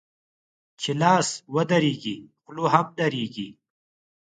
چي لاس و درېږي ، خوله هم درېږي.